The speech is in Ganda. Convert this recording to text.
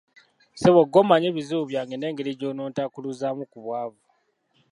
Ssebo gw’omanyi ebizibu byange n'engeri gy’ono ontakkuluzaamu ku bwavu.